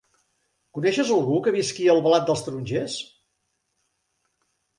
Coneixes algú que visqui a Albalat dels Tarongers?